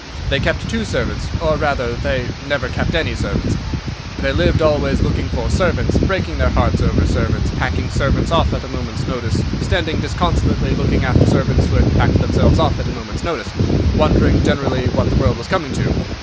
They kept two servants—or, rather, they never kept any servants; they lived always looking for servants, breaking their hearts over servants, packing servants off at a moment's notice, standing disconsolately looking after servants who had packed themselves off at a moment's notice, wondering generally what the world was coming too.